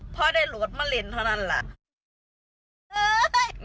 เพราะได้หลวตมาเล่นเท่านั้นหลี้อน